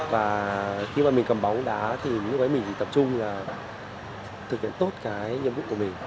và khi mà mình cầm bóng đá thì như vậy mình tập trung là thực hiện tốt cái nhiệm vụ của mình